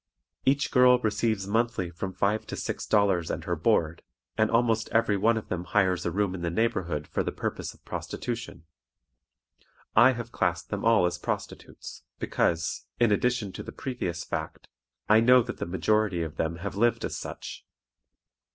Each girl receives monthly from five to six dollars and her board, and almost every one of them hires a room in the neighborhood for the purpose of prostitution. I have classed them all as prostitutes, because, in addition to the previous fact, I know that the majority of them have lived as such.